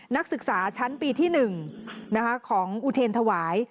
นักศึกษาชั้นปีที่๑ของอุเทรนธวาย